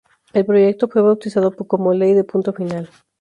El proyecto, fue bautizado como Ley de Punto Final.